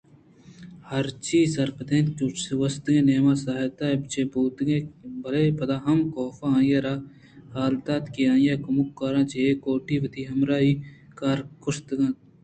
آہرچی ءَ سرپد اَت کہ گوٛستگیں نیم ساعت ءَ چے بوتگ اَت بلئے پدا ہم کاف آئی ءَ را حال دات کہ آئی ءَکمکاراں ءَ چہ اے کوٹی ءَ وتی ہمراہی ءَ کار ءَ کشّیتگ